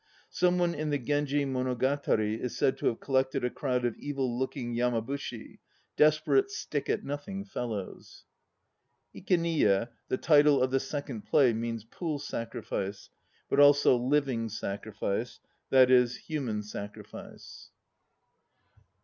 Some one in the Genji Monogatari is said to have "collected a crowd of evil looking Yamabushi, desperate, stick at nothing fellows." Ikeniye, the title of the second play, means "Pool Sacrifice," but also "Living Sacrifice," i. e. human sacrifice.